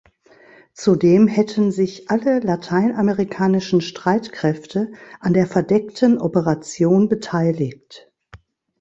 Zudem hätten sich alle lateinamerikanischen Streitkräfte an der verdeckten Operation beteiligt.